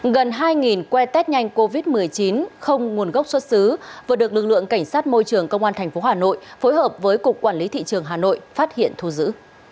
gần hai quay test nhanh covid một mươi chín không nguồn gốc xuất xứ vừa được lực lượng cảnh sát môi trường công an tp hà nội phối hợp với cục quản lý thị trường hà nội phát hiện thu giữ